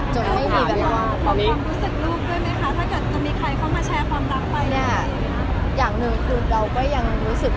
จนไม่มีระหว่าง